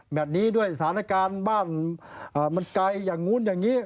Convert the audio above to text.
แบบนี้ด้วยสถานการณ์บ้านมันไกลอย่างนู้นอย่างนี้